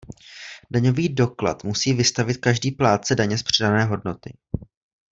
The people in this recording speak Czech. Daňový doklad musí vystavit každý plátce daně z přidané hodnoty.